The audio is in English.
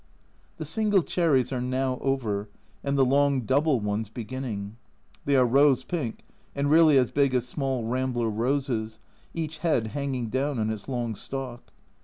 The single cherries are now over, and the long double ones beginning. They are rose pink and really as big as small rambler roses, each head hanging down on its long stalk.